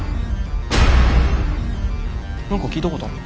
何か聞いたことある。